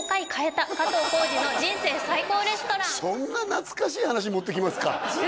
そんな懐かしい話持ってきますか？